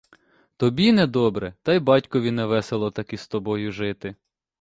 Тобі недобре, та й батькові невесело так із тобою жити.